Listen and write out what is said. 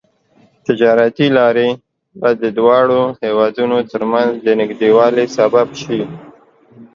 تجارتي لارې به د دواړو هېوادونو ترمنځ د نږدیوالي سبب شي.